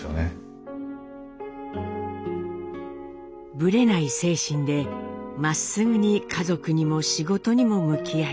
ぶれない精神でまっすぐに家族にも仕事にも向き合い